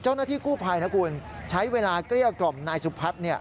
เจ้าหน้าที่กู้ภัยนะคุณใช้เวลาเกลี้ยกล่อมนายสุพัฒน์